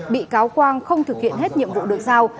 bị cáo quang không thực hiện hết nhiệm vụ được giao